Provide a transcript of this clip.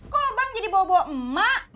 kok abang jadi bawa bawa ema